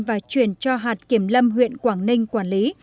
và chuyển cho hạt kiểm lâm huyện quảng ninh quản lý